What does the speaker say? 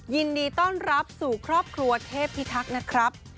ยินดีต้อนรับสู่ครอบครัวเทพพิทักษ์นะครับ